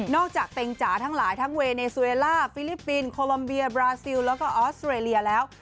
จากเต็งจ๋าทั้งหลายทั้งเวเนซูเอล่าฟิลิปปินส์โคลอมเบียบราซิลแล้วก็ออสเตรเลียแล้ว